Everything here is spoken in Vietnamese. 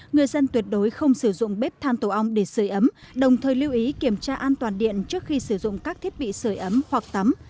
người dân tuyệt đối không sử dụng bếp than tổ ong để sửa ấm đồng thời lưu ý kiểm tra an toàn điện trước khi sử dụng các thiết bị sửa ấm hoặc tắm